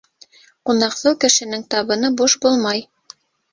Ҡунаҡсыл кешенең табыны буш булмай.